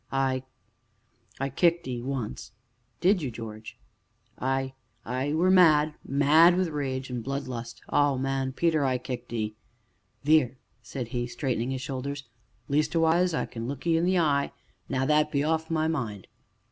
"I I kicked 'ee once!" "Did you, George?" "Ay I I were mad mad wi' rage an' blood lust, an' oh, man, Peter! I kicked 'ee. Theer," said he, straightening his shoulders, "leastways I can look 'ee in the eye now that be off my mind.